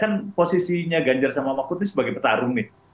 kan posisinya ganjar sama mahfud ini sebagai petarung nih